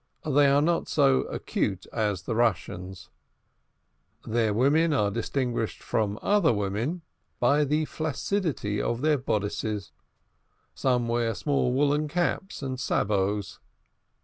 They are not so cute as the Russians. Their women are distinguished from other women by the flaccidity of their bodices; some wear small woollen caps and sabots.